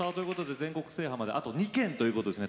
全国制覇まであと２県ということですね。